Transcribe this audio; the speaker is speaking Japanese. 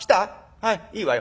はいいいわよ。